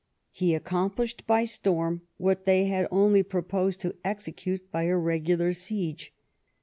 He accomplished by storm what they had only proposed to execute by a regular siege.